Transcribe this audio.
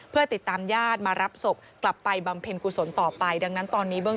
เพื่อติดตามญาติมารับศพกลับไปบำเพ็ญกุศลต่อไปดังนั้นตอนนี้เบื้อง